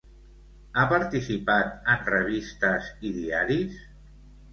Ha participat en revistes i diaris?